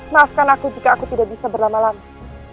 maafkan aku jika aku tidak bisa berlama lama